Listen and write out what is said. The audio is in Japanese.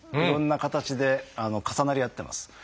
いろんな形で重なり合ってます。